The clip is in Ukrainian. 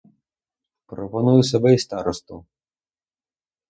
Пропоную себе і старосту.